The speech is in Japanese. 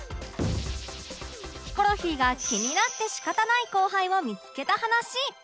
ヒコロヒーが気になって仕方ない後輩を見つけた話